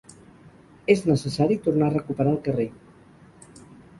És necessari tornar a recuperar el carrer.